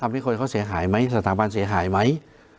ให้คนเขาเสียหายไหมสถาบันเสียหายไหม